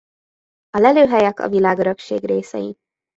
A lelőhelyek a világörökség részei.